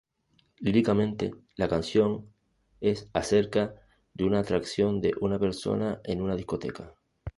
Líricamente, la canción es acerca de una atracción de una persona en una discoteca.